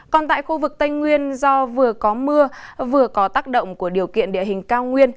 còn tại khu vực tây nguyên do vừa có mưa vừa có tác động của điều kiện địa hình cao nguyên